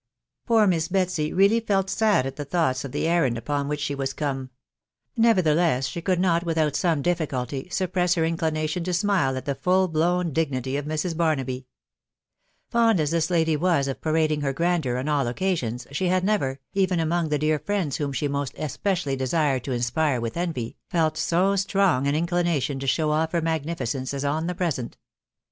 Poor Miss Betsy really felt sad at the thoughts of the errand upon which she was come ; nevettheiew ita croi&TCft, THE W1B0W BARNABY. 4Q without some difficulty, suppress her inclination to smile at the full blown dignity of Mrs. Barnaby. Fond as this lady was of parading her grandeur on all occasions, she had never, even among the dear friends whom she most especially desired to inspire with envy, felt so strong an inclination to show off her magnificence as on the present.